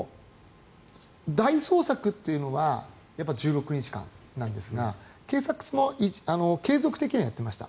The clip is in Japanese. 大捜索というのは１６日間なんですが警察も継続的にはやっていました。